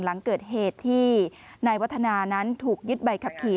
หลังเกิดเหตุที่นายวัฒนานั้นถูกยึดใบขับขี่